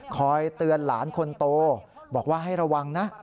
คอยเตือนหลานคนโตบอกว่าให้ระวังนะ